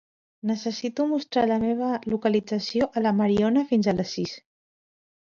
Necessito mostrar la meva localització a la Mariona fins a les sis.